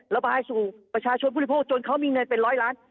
ระบายสู่ประชาชนผู้บริโภคจนเขามีเงินเป็นร้อยล้าน